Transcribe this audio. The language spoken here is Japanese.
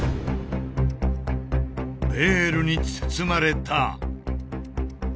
ベールに包まれた。